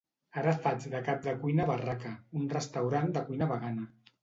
Ara faig de cap de cuina a Barraca, un restaurant de cuina vegana.